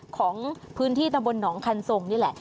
ของพื้นที่ตำบลหนองคันทรงนี่แหละ